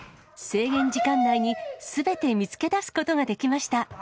制限時間内に、すべて見つけ出すことができました。